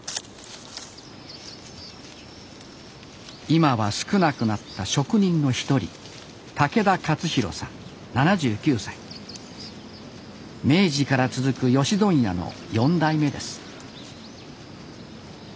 今は少なくなった職人の一人明治から続くヨシ問屋の４代目です